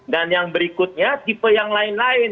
dan yang berikutnya tipe yang lain lain